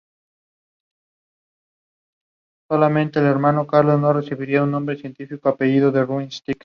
Más aún, Snow sentó las bases teórico-metodológicas de la epidemiología.